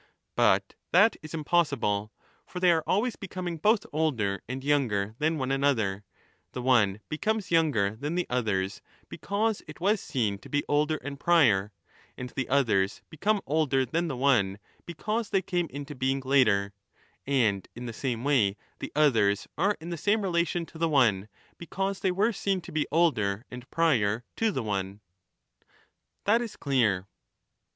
But that is impossible ; for they are always becoming both older and younger than one another : the one becomes younger than the others because it was seen to be older and prior, and the others become older than the one because they came into being later ; and in the same way the others are in the same relation to the one, because they were seen to be older and prior to the one. Digitized by VjOOQIC 88 Par nunides. Parmbmidbs, Aristo TBLBS. Summary of contradictions. That is clear.